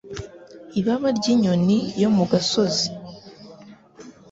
Ibaba ry'inyoni yo mu gasozi.